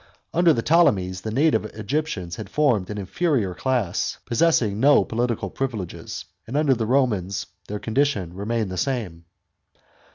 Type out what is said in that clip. Under the Ptolemies, the native Egyptians had formed an inferior class, possessing no political privileges, and under the Romans their condition remained the same.